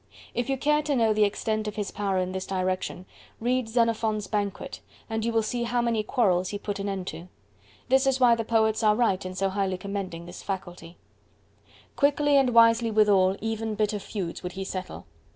If you care to know the extent of his power in this direction, read Xenophon's Banquet, and you will see how many quarrels he put an end to. This is why the Poets are right in so highly commending this faculty:— Quickly and wisely withal even bitter feuds would he settle.